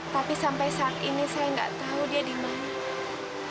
tapi sampai saat ini saya nggak tahu dia dimana